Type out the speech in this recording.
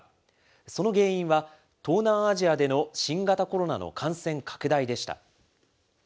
その原因は、東南アジアでの新型コロナの感染拡大でした。